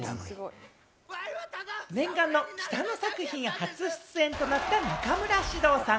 念願の北野作品、初出演となった中村獅童さん。